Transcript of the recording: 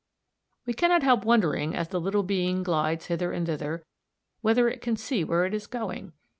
We cannot help wondering, as the little being glides hither and thither, whether it can see where it is going.